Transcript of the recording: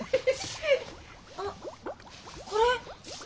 あっこれ！